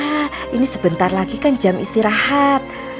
nah ini sebentar lagi kan jam istirahat